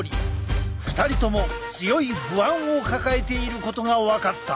２人とも強い不安を抱えていることが分かった。